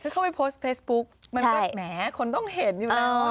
คือเขาไปโพสต์เฟซบุ๊กมันก็แหมคนต้องเห็นอยู่แล้ว